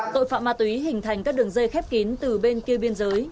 tội phạm ma túy hình thành các đường dây khép kín từ bên kia biên giới